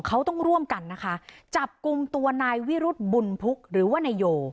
เขาต้องร่วมกันนะคะจับกลุ่มตัวนายวิรุธบุญพุกหรือว่านายโย